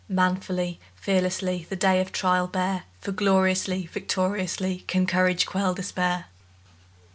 Manfully, fearlessly, The day of trial bear, For gloriously, victoriously, Can courage quell despair!